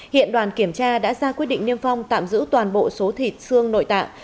hiện đoàn kiểm tra đã ra quyết định niêm phong tạm giữ toàn bộ số thịt xương nội tạng